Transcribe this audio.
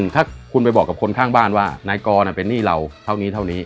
ถ้าคุณไปบอกกับคนข้างบ้านว่านายกรเป็นหนี้เราเท่านี้เท่านี้